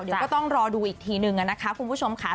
เดี๋ยวก็ต้องรอดูอีกทีนึงนะคะคุณผู้ชมค่ะ